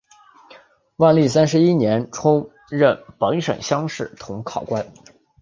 万历三十一年充任本省乡试同考官。